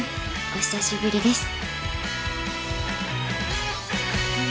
お久しぶりです。